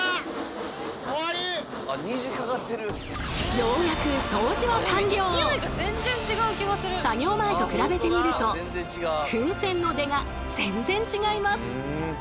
ようやく作業前と比べてみると噴泉の出が全然違います。